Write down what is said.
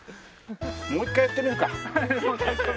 もう１回やってみるか。